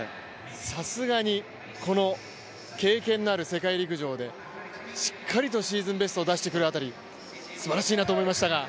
さすがに、この経験のある世界陸上でしっかりとシーズンベストを出してくる辺りすばらしいなと思いましたが。